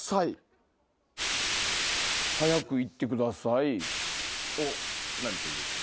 早く行ってください。を何て言うか。